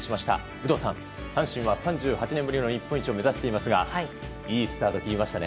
有働さん、阪神は３８年ぶりの日本一を目指していますがいいスタート切りましたね。